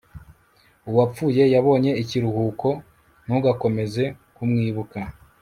uwapfuye yabonye ikiruhuko, ntugakomeze kumwibuka